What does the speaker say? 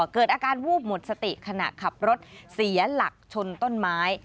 เกิดอาการวูบหมดสติขณะขับรถเสียหลักชนต้นไม้